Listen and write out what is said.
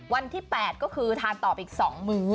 วันที่๘ก็คือทานต่อไปอีก๒มื้อ